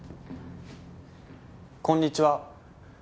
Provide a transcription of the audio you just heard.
こんにちは。